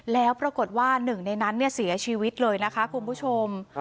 แล้วปรากฏว่าหนึ่งในนั้นเสียชีวิตเลยนะคะคุณผู้ชม